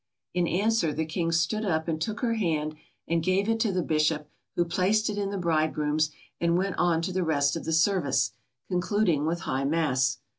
In answer the King stood up and took her hand, and gave it to the bishop, who placed it in the bridegroom's, and went on to the rest of the service, concluding with high mass.